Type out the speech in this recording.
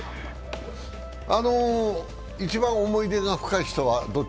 一番思い出が深い人はどっち？